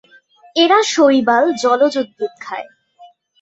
এরা শৈবাল, জলজ উদ্ভিদ খায়।